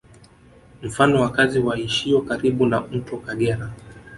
Mfano wakazi waishio karibu na mto Kagera